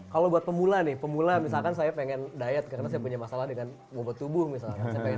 kalau buat pemula nih pemula misalkan saya pengen diet karena saya punya masalah dengan bobot tubuh misalkan saya pengen